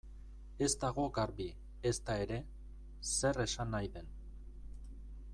Ez dago garbi, ezta ere, zer esan nahi den.